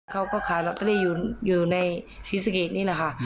เขาก็ขายลอตเตอรี่อยู่ในศรีสะเกดนี่แหละค่ะ